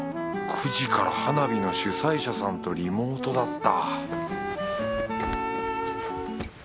９時から花火の主催者さんとリモートだった